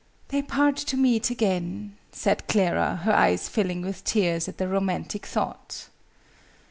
"They part to meet again," said Clara, her eyes filling with tears at the romantic thought.